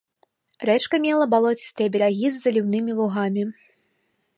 Рэчка мела балоцістыя берагі з заліўнымі лугамі.